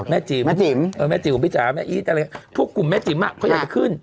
แม่จิ๋มแม่จิ๋มของพี่จ๋าแม่อี๊ดอะไรอย่างนี้ทุกกลุ่มแม่จิ๋มเขาอยากจะขึ้น